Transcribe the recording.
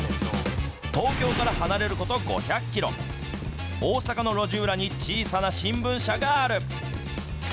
東京から離れること５００キロ、大阪の路地裏に小さな新聞社がある。